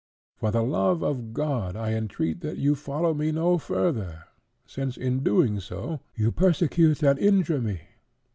For the love of God, I entreat that you follow me no further, since, in doing so, you persecute and injure me.